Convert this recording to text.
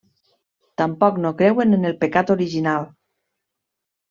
Tampoc no creuen en el pecat original.